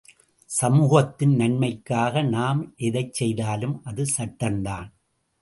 சமூகத்தின் நன்மைக்காக நாம் எதைச் செய்தாலும் அது சட்டந்தான்.